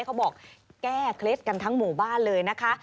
เขาบอกแก้เคล็ดกันทั้งหมู่บ้านเลยนะคะ